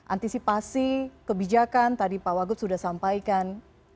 antisipasi kebijakan tadi pak wagub sudah sampaikan